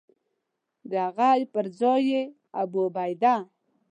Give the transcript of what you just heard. د هغه پر ځای یې ابوعبیده.